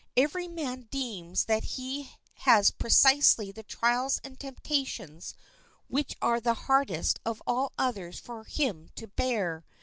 Every man deems that he has precisely the trials and temptations which are the hardest of all others for him to bear.